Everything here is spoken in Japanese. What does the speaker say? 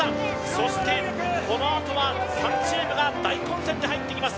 そしてこのあとは３チームが大混戦で入ってきます